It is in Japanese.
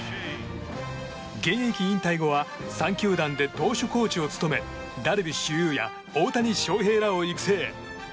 現役引退後は３球団で投手コーチを務めダルビッシュ有や大谷翔平らを育成。